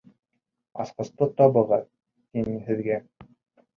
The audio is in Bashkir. Асҡысты табығыҙ, тим мин һеҙгә!